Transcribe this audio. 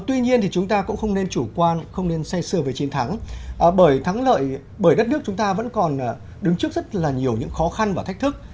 tuy nhiên chúng ta cũng không nên chủ quan không nên xe sừa về chiến thắng bởi đất nước chúng ta vẫn còn đứng trước rất nhiều những khó khăn và thách thức